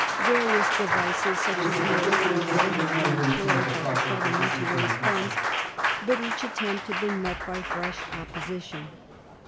Various devices such as the toisd had been employed by the government to raise funds, but each attempt had been met by fresh opposition.